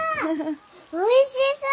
おいしそう！